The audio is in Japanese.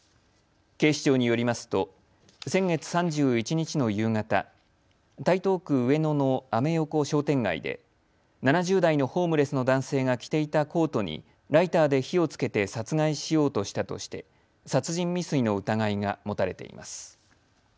警視庁によりますと先月３１日の夕方、台東区上野のアメ横商店街で７０代のホームレスの男性が着ていたコートにライターで火をつけて殺害しようとしたとして殺人未遂の疑いが持たれています。